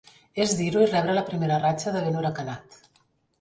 És dir-ho i rebre la primera ratxa de vent huracanat.